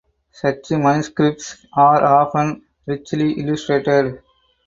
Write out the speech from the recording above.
Such manuscripts are often richly illustrated.